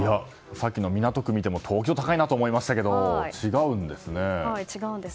さっきの港区を見ても東京は高いなと思いましたけど違うんですね。